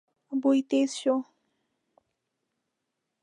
بوی تېز شو.